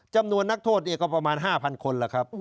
จำนวนนักโทษเนี่ยก็ประมาณ๕๐๐๐คนแหละครับ